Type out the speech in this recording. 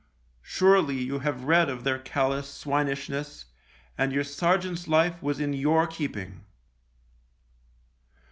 Surely you have read of their callous swinishness, and your sergeant's life was in your keeping